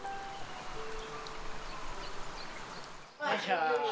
よいしょ。